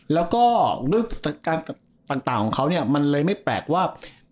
แล้วก็ด้วยการต่างของเขาเนี่ยมันเลยไม่แปลกว่า